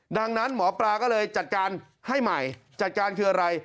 ดังนั้นหมอปลาก็เลยจัดการให้ใหม่จัดการคืออะไร